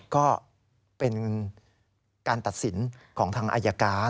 ก็เป็นการตัดสินของทางอายการ